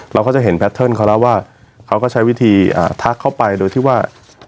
เราก็จะเห็นแพทเทิร์นเขาแล้วว่าเขาก็ใช้วิธีทักเข้าไปโดยที่ว่า